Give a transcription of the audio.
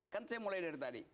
kan saya mulai dari tadi